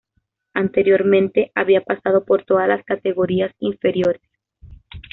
Anteriormente había pasado por todas las categorías inferiores.